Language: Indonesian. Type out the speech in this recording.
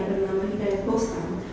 bernama hidayat bostan